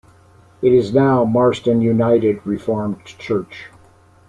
It is now Marston United Reformed Church.